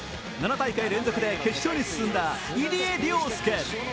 ７大会連続で決勝に進んだ入江陵介